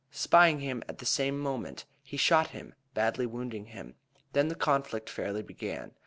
Spying him at the same moment, he shot him (badly wounding him). Then the conflict fairly began.